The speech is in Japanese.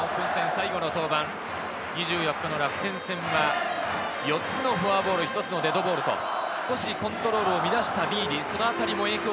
実はオープン戦最後の登板、２４日の楽天戦は４つのフォアボール、１つのデッドボールと、少しコントロールを乱したビーディ。